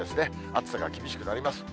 暑さが厳しくなります。